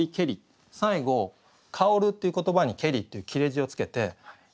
最後「香る」っていう言葉に「けり」っていう切れ字をつけて詠嘆する。